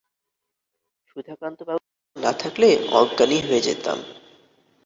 সুধাকান্তবাবু পাশে না থাকলে অজ্ঞানই হয়ে যেতাম।